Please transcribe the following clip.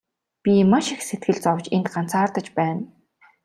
Би маш их сэтгэл зовж энд ганцаардаж байна.